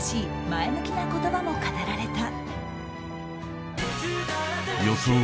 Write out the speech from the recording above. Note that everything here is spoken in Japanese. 前向きな言葉も語られた。